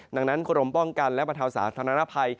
ดังนั้นกรมป้องกันและบรรเทาสาธารณภัย